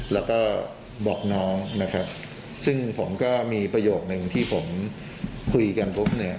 แล้วก็บอกน้องนะครับซึ่งผมก็มีประโยคนึงที่ผมคุยกันปุ๊บเนี่ย